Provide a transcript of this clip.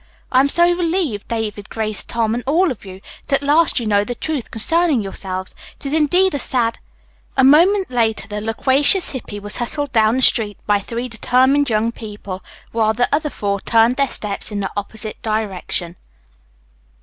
I am so relieved, David, Grace, Tom, and all of you, that at last you know the truth concerning yourselves. It is indeed a sad " A moment later the loquacious Hippy was hustled down the street by three determined young people, while the other four turned their steps in the opposite direction.